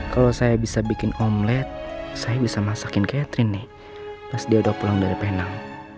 kalau saya bisa bikin omlet saya bisa masakin catherine nih pas dia udah pulang dari panel